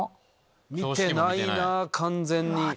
見ていないな完全に。